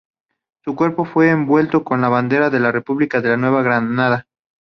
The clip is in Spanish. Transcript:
Su cuerpo fue envuelto con la bandera de la República de la Nueva Granada.